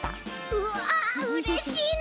うわうれしいな！